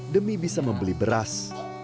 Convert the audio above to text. demi bisa membeli beras